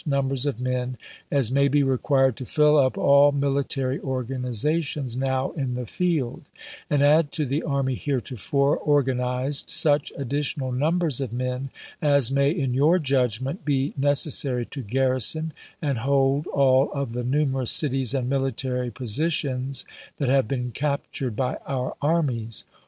numbers of men as may be required to fill up all military organizations now in the field, and add to the army heretofore organized such additional numbers of men as may, in your judgment, be nec essary to garrison and hold all of the numerous cities and military positions that have been cap tured by our armies.